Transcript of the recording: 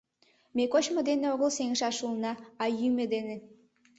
— Ме кочмо дене огыл сеҥышаш улына, а йӱмӧ дене.